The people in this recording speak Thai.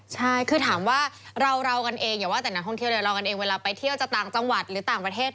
ใช่คือถามว่าเรากันเองอย่าว่าแต่นักท่องเที่ยวเดี๋ยวรอกันเองเวลาไปเที่ยวจะต่างจังหวัดหรือต่างประเทศ